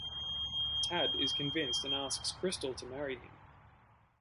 Tad is convinced and asks Krystal to marry him.